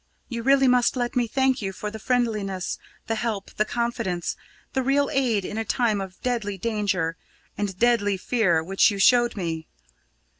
You really must let me thank you for the friendliness, the help, the confidence, the real aid at a time of deadly danger and deadly fear which you showed me.